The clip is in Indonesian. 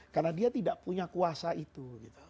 karena dia tidak punya kuasa itu